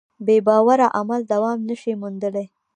بېباوره عمل دوام نهشي موندلی.